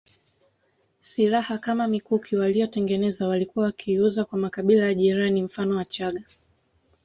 Silaha kama mikuki waliyotengeneza walikuwa wakiiuza kwa makabila ya jirani mfano Wachaga